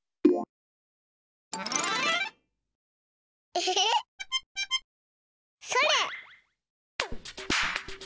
エヘヘヘ！それ！